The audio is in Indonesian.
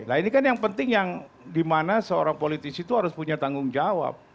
nah ini kan yang penting yang dimana seorang politisi itu harus punya tanggung jawab